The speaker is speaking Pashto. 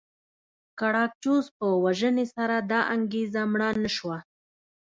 ګراکچوس په وژنې سره دا انګېزه مړه نه شوه.